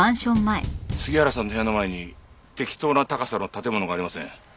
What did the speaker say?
杉原さんの部屋の前に適当な高さの建物がありません。